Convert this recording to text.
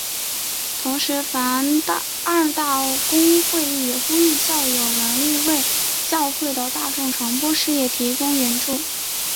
同时梵二大公会议也呼吁教友能为教会的大众传播事业提供援助。